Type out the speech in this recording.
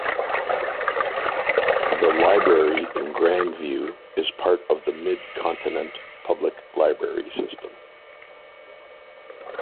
The library in Grandview is part of the Mid-Continent Public Library system.